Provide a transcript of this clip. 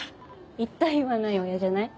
言った言わないは嫌じゃない？